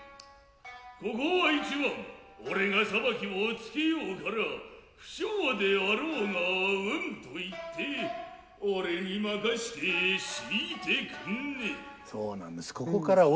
ここは一番己が裁きをつけようから不肖で有ろうがうんと言って己に任せて引いてくんねえ。